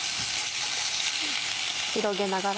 広げながら。